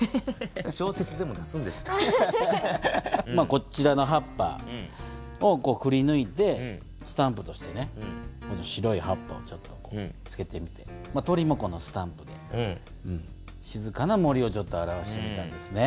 こちらの葉っぱをくりぬいてスタンプとして白い葉っぱをつけてみて鳥もこのスタンプで静かな森を表してみたんですね。